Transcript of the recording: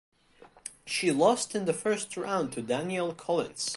She lost in the first round to Danielle Collins.